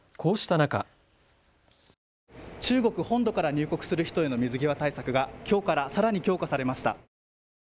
中国本土から入国する人への水際対策がきょうからさらに強化されました。